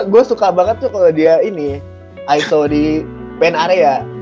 gue suka banget tuh kalo dia ini ya iso di pan area